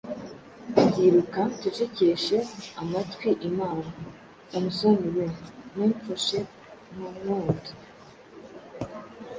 Nziruka, ncecekeshe amatwi imana! Samusoni we, ntumfashe; Ntunkunda!